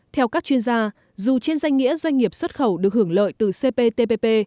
theo các chuyên gia dù trên danh nghĩa doanh nghiệp xuất khẩu được hưởng lợi từ cptpp